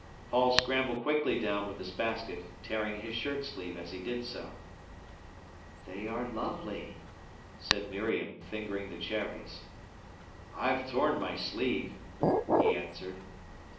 Paul scrambled quickly down with his basket, tearing his shirt sleeve as he did so. "They are lovely," said Miriam, fingering the cherries. "I've torn my sleeve," he answered.